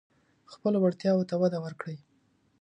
خپلو وړتیاوو ته وده ورکړئ.